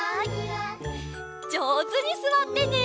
じょうずにすわってね！